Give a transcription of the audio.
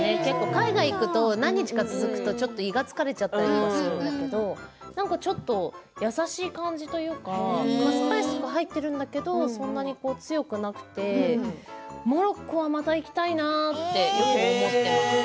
海外に行くと何日か続くと胃が疲れちゃったりするけどなんかちょっと優しい感じというかスパイスが入っているんだけどそんなに強くなくてモロッコはまた行きたいなってよく思っています。